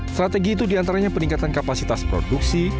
strategi itu diantaranya peningkatan kapasitas produksi